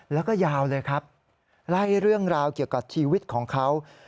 แล้วก็ยาวเลยครับไล่เรื่องราวเกี่ยวกับชีวิตของเขา